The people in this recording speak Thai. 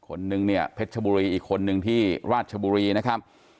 คนนึงเนี่ยเพชรชบุรีอีกคนนึงที่ราชบุรีนะครับ